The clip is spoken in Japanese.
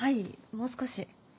もう少し。